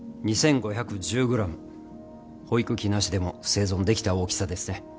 ２，５１０ｇ保育器なしでも生存できた大きさですね。